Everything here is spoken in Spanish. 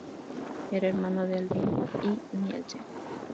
Era hermano de Alvin H. Nielsen.